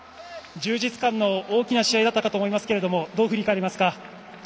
充実感の大きな試合だったかと思いますがどう振り返りますか？